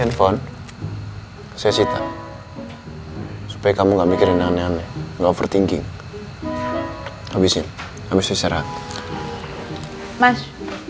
handphone sesita supaya kamu nggak mikirin aneh aneh over thinking habisin habisin mas